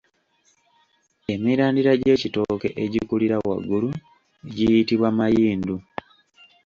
Emirandira gy’ekitooke egikulira waggulu giyitibwa mayindu.